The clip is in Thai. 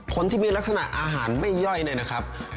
คนที่มีลักษณะอาหารไม่ย่อยเนี่ยนะครับ